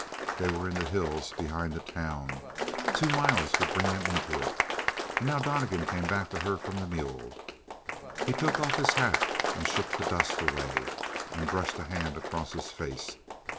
They were in the hills behind the town; two miles would bring them into it. And now Donnegan came back to her from the mule. He took off his hat and shook the dust away; he brushed a hand across his face.